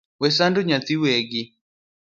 Kiti rach, we sando nyathi wegi